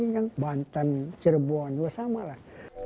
yang banten cirebon juga sama lah